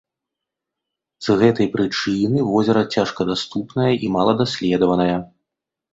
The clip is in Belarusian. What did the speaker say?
З гэтай прычыны возера цяжкадаступнае і маладаследаванае.